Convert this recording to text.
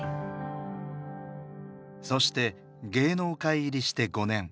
そして芸能界入りして５年。